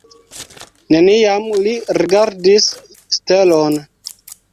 Neniam li rigardis stelon.